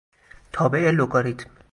تابع لگاریتم